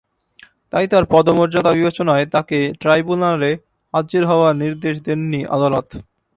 তাই তাঁর পদমর্যাদা বিবেচনায় তাঁকে ট্রাইব্যুনালে হাজির হওয়ার নির্দেশ দেননি আদালত।